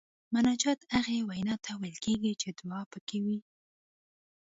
مناجات هغې وینا ته ویل کیږي چې دعا پکې وي.